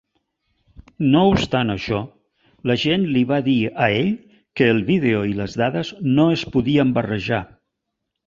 No obstant això, la gent li va dir a ell que el vídeo i les dades no es podien barrejar.